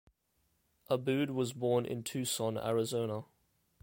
Aboud was born in Tucson, Arizona.